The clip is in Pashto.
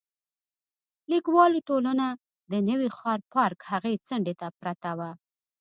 لیکوالو ټولنه د نوي ښار پارک هغې څنډې ته پرته وه.